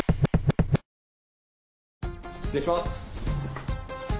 失礼します。